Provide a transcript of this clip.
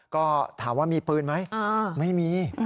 ก็ถามว่ามีปืนไหมไม่มี